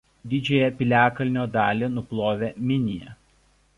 Didžiąją piliakalnio dalį nuplovė Minija.